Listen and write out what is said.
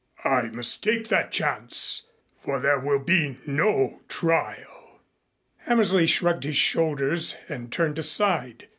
"I must take that chance, for there will be no trial." Hammersley shrugged his shoulders and turned aside.